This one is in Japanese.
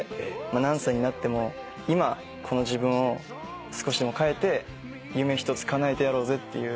何歳になっても今この自分を少しでも変えて夢一つかなえてやろうぜっていう。